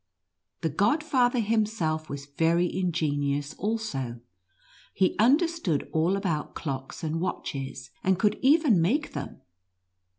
The Godfather himself was very ingenious also, he understood all about clocks and watches, and could even NTJTCKACKEB AND MOUSE KING. 7 make them.